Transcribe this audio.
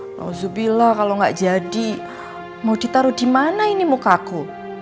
alhamdulillah kalau gak jadi mau ditaruh dimana ini mukaku